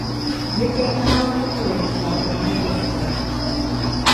Гэтыя каналы не тое, што атрымалі дазвол.